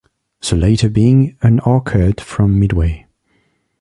The latter being an arcade from Midway.